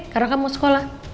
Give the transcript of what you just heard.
karena kamu mau sekolah